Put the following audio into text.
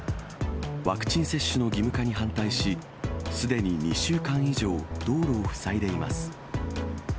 ワクチン接種の義務化に反対し、すでに２週間以上、道路を塞いでいます。